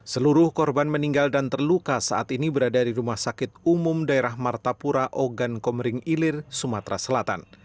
seluruh korban meninggal dan terluka saat ini berada di rumah sakit umum daerah martapura ogan komering ilir sumatera selatan